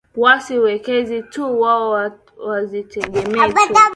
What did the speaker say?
wasi wekeze tu wao wazitegemee tu